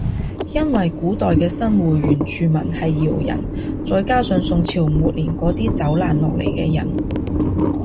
因為古代嘅新會原住民係瑤人再加上宋朝末年嗰啲走難落嚟嘅人